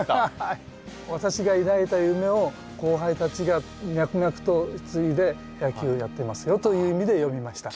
私が抱いた夢を後輩たちが脈々と継いで野球をやってますよという意味で詠みました。